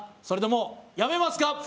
それとも、やめますか？